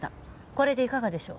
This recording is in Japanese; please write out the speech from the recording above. これでいかがでしょう？